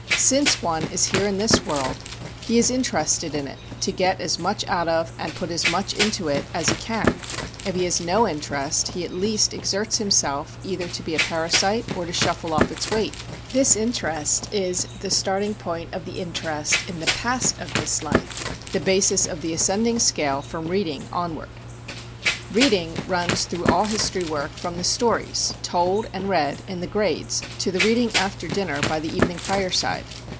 Since one is here in this world he is interested in it, to get as much out of and put as much into it as he can; if he has no interest he at least exerts himself either to be a parasite or to shuffle off its weight. This interest is the starting point of the interest in the past of this life; the basis of the ascending scale from reading onward. Reading runs through all history work from the stories told and read in the grades to the reading after dinner by the evening fireside.